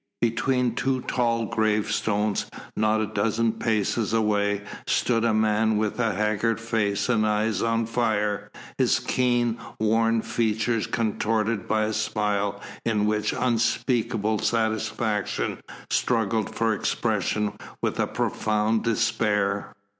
Between two tall gravestones, not a dozen paces away, stood a man with haggard face and eyes on fire, his keen, worn features contorted by a smile in which unspeakable satisfaction struggled for expression with a profound despair.